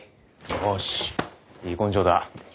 よしいい根性だ。